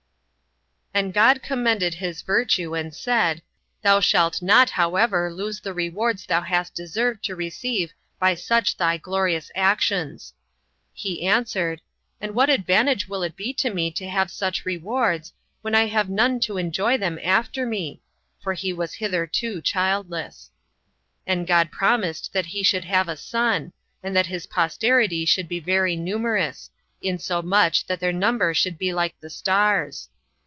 3. And God commended his virtue, and said, Thou shalt not however lose the rewards thou hast deserved to receive by such thy glorious actions. He answered, And what advantage will it be to me to have such rewards, when I have none to enjoy them after me?for he was hitherto childless. And God promised that he should have a son, and that his posterity should be very numerous; insomuch that their number should be like the stars.